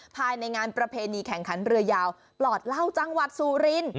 ภายในงานประเพณีแข่งขันเรือยาวปลอดเหล้าจังหวัดสุริน